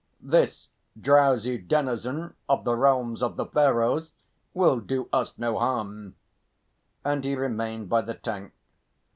"This drowsy denison of the realms of the Pharaohs will do us no harm." And he remained by the tank.